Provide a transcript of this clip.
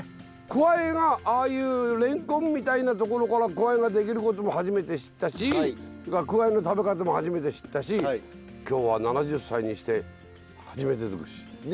くわいがああいうれんこんみたいな所からくわいができることも初めて知ったしくわいの食べ方も初めて知ったし今日は７０歳にして初めてづくし。